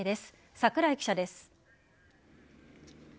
桜井記者です。